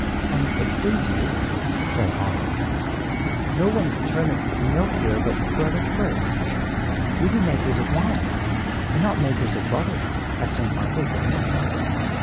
"An' it please you," said Otto, "no one churneth milk here but Brother Fritz; we be makers of wine and not makers of butter, at St. Michaelsburg."